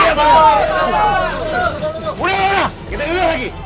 udah udah udah kita ilang lagi